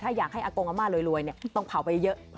ถ้าอย่างให้โอกมาเลยลวยต้องเผาไปเยอะ